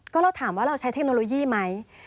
ก็เราถามว่าเราใช้เทคโนโลยีไหม